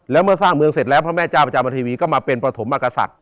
แล้วเมื่อสร้างเมืองเสร็จแล้วพระแม่เจ้าประจำเทวีก็มาเป็นประถมมากษัตริย